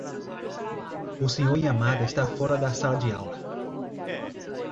O Sr. Yamada está fora da sala de aula.